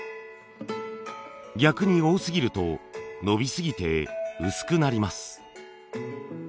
逆に多すぎると伸びすぎて薄くなります。